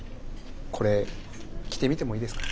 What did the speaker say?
これ着てみてもいいですか？